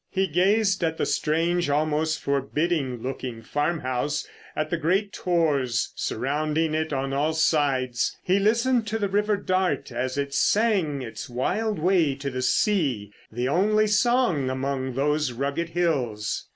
He gazed at the strange, almost forbidding looking farmhouse, at the great tors surrounding it on all sides. He listened to the river Dart as it sang its wild way to the sea, the only song among those rugged hills.